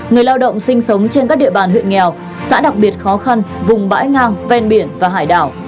người lao động sinh sống trên các địa bàn huyện nghèo xã đặc biệt khó khăn vùng bãi ngang ven biển và hải đảo